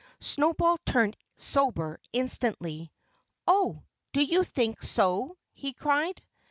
Snowball turned sober instantly. "Oh! Do you think so?" he cried.